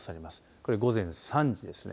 これ、午前３時ですね